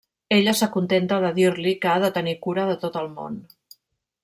Ella s'acontenta de dir-li que ha de tenir cura de tot el món.